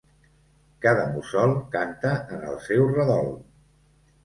Cada mussol canta en el seu redol.